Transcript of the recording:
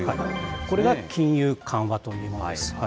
これが金融緩和というものです。